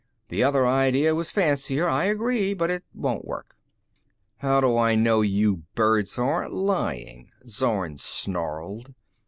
The other idea was fancier, I agree, but it won't work." "How do I know you birds aren't lying?" Zorn snarled.